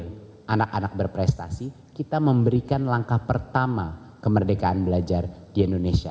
kalau anak anak berprestasi kita memberikan langkah pertama kemerdekaan belajar di indonesia